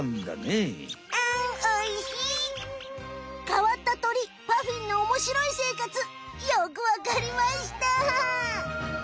かわった鳥パフィンのおもしろいせいかつよくわかりました！